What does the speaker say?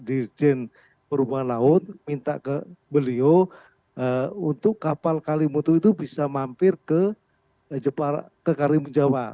di jinn perhubungan laut minta ke beliau untuk kapal kalimantan itu bisa mampir ke jepara ke kalimantan jawa